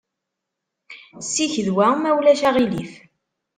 Ssiked wa, ma ulac aɣilif.